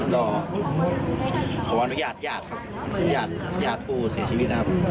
ก็ขออนุญาตหญาติครับหญาติปู่เสียชีวิตครับ